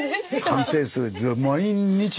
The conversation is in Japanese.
完成する。